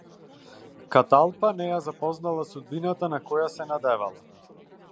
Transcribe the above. Каталпа не ја запознала судбината на која се надевала.